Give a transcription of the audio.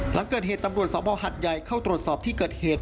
หลังเกิดเหตุตำรวจสภหัดใหญ่เข้าตรวจสอบที่เกิดเหตุ